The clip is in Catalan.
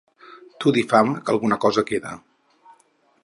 Tu difama que alguna cosa queda.